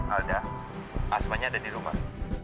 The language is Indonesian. alda asma nya ada di rumah